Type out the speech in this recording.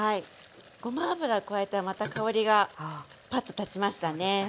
ごま油を加えたらまた香りがパッと立ちましたね。